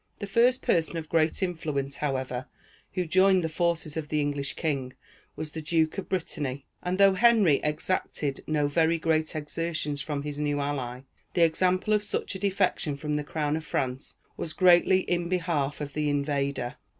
The first person of great influence, however, who joined the forces of the English king, was the Duke of Brittany; and, though Henry exacted no very great exertions from his new ally, the example of such a defection from the crown of France was greatly in behalf of the invader.